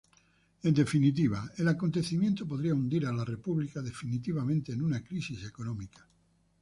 En definitiva: el acontecimiento podría hundir a la República definitivamente en una crisis económica.